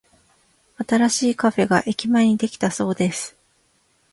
新しいカフェが駅前にできたそうです。